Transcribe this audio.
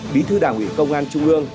bí thư đảng ủy công an trung ương